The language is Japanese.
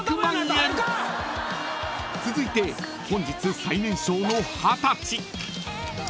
［続いて本日最年少の二十歳］